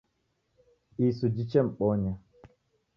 Isu jichemmbonya